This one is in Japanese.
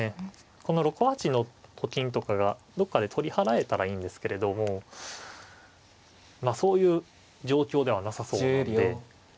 この６八のと金とかがどっかで取り払えたらいいんですけれどもそういう状況ではなさそうなんで。